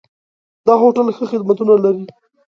دا هوټل ښه خدمتونه لري.